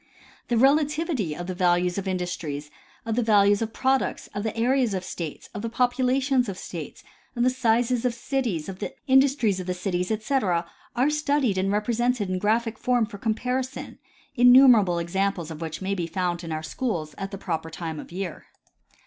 The relativity of the values of industries, of the values of products, of the areas of states, of the populations of states, of the sizes of cities, the industries of the cities, etc, are studied and represented in graphic form for comparison, innumerable examples of n which may be found in our schools at the proper time of year.